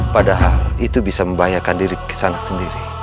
padahal itu bisa membahayakan diri kisanak sendiri